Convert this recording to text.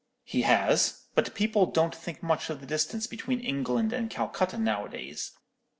"'He has; but people don't think much of the distance between England and Calcutta nowadays.